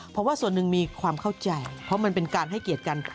เพราะว่าส่วนหนึ่งมีความเข้าใจเพราะมันเป็นการให้เกียรติกัน